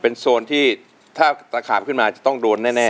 เป็นโซนที่ถ้าตะขาบขึ้นมาจะต้องโดนแน่